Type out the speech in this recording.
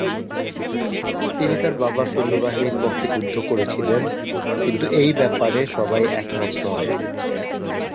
তিনি তার বাবার সৈন্যবাহিনীর পক্ষে যুদ্ধ করছিলেন, কিন্ত এই ব্যাপারে সবাই একমত নয়।